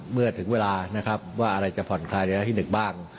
เมื่อถึงเวลานะครับว่าอะไรจะผ่อนคลายระยะที่๑บ้าง